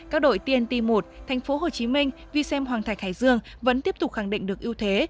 các đội tnt một tp hcm vxm hoàng thạch hải dương vẫn tiếp tục khẳng định được ưu thế